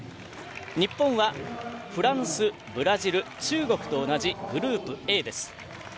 日本はフランス、ブラジル中国と同じグループＡです。